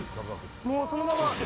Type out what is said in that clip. もうそのまま？